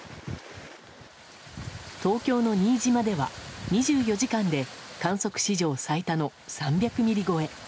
東京の新島では２４時間で観測史上最多の３００ミリ超え。